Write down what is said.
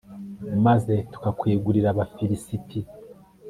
maze tukakwegurira abafilisiti